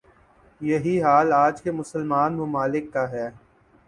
یہی حال آج کے مسلمان ممالک کا ہے ۔